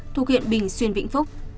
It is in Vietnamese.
thuộc hiện bình xuyên vĩnh phúc